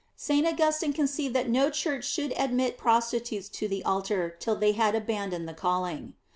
St. Augustin conceived that no church should admit prostitutes to the altar till they had abandoned the calling.